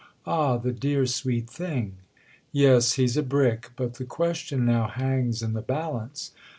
"Ah, the dear sweet thing!" "Yes, he's a brick—but the question now hangs in the balance.